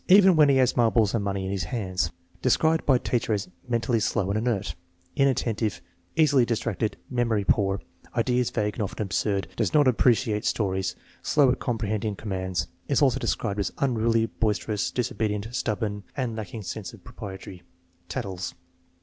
even when he has marbles and money hi his hands. Described by teacher as "mentally slow and inert, in attentive, easily distracted, memory poor, ideas vague and often absurd, does not appreciate stories, slow at comprehending com mands." Is also described as "unruly, boisterous, disobedient, stubborn, and lacking sense of propriety. Tattles."